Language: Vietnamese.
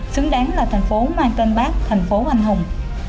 xứng đáng là thành phố mang tên bác thành phố anh hùng